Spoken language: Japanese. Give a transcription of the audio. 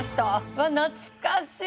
うわっ懐かしい！